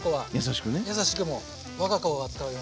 優しくもう我が子を扱うように。